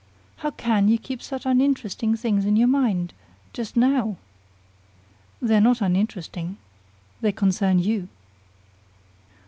"How can you keep such uninteresting things in your mind just now?" "They're not uninteresting. They concern you!"